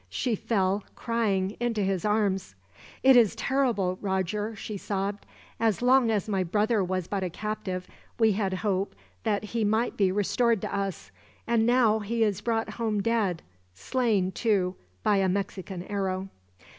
She fell, crying, into his arms. "It is terrible, Roger," she sobbed. "As long as my brother was but a captive, we had hoped that he might be restored to us; and now he is brought home dead slain, too, by a Mexican arrow."